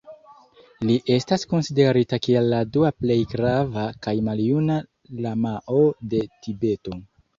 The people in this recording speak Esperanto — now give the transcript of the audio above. Li estas konsiderita kiel la dua plej grava kaj maljuna lamao de Tibeto.